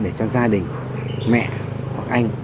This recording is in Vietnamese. để cho gia đình mẹ hoặc anh